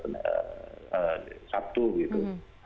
mungkin sabtu gitu